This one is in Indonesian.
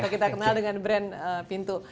atau kita kenal dengan brand pintu